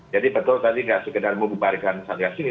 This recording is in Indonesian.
jadi betul tadi nggak sekedar memubarkan saat kasus ini